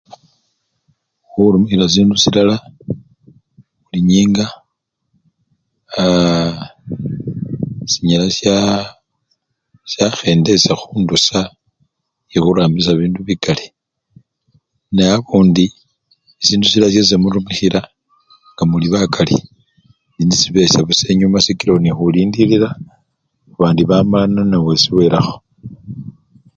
Khurumikhila sindu silala, buli nyinga aa! sinyala sya syakhendesya khundusya yekhurambi bindu bikali neabundi esindu silala syesi khemurumikhila ngamuli bakali lundi sibesya busa enyuma sikila obona nekhulindilila babandi bamalano newesi belakho.